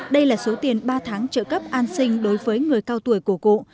đây là số tiền ba tháng trợ cấp an sinh đối với người cao tuổi của cụ